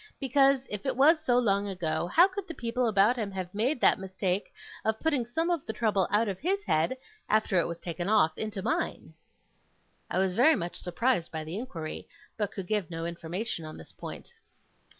Because, if it was so long ago, how could the people about him have made that mistake of putting some of the trouble out of his head, after it was taken off, into mine?' I was very much surprised by the inquiry; but could give no information on this point.